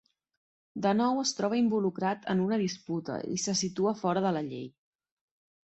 De nou es troba involucrat en una disputa i se situa fora de la llei.